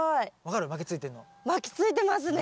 巻きついてますね。